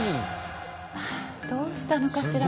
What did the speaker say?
「どうしたのかしら？